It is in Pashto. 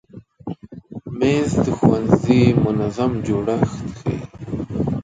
مېز د ښوونځي منظم جوړښت ښیي.